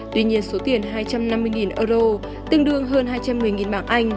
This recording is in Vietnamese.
tuy nhiên số tiền hai trăm năm mươi euro tương đương hơn hai trăm một mươi bảng anh